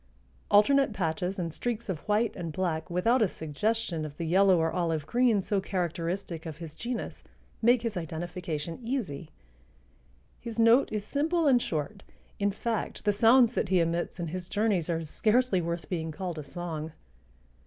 Alternate patches and streaks of white and black without a suggestion of the yellow or olive green so characteristic of his genus make his identification easy. His note is simple and short; in fact the sounds that he emits in his journeys are scarcely worth being called a song.